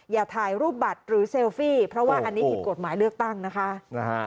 อย่าถ่ายรูปบัตรหรือเซลฟี่เพราะว่าอันนี้ผิดกฎหมายเลือกตั้งนะคะ